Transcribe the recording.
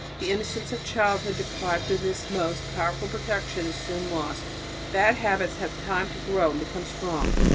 The innocence of childhood, deprived of this most powerful protection, is soon lost; bad habits have time to grow and become strong.